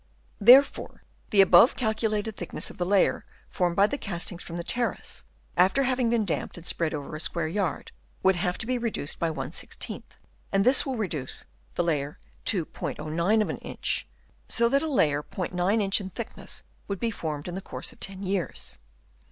Therefore the above calculated thickness of the layer, formed by the castings from the Terrace, after being damped and spread over a square yard, would have to be reduced by ^; and this will reduce the layer to '09 of an inch, so that a layer *9 inch in thickness would be formed in the course of ten years.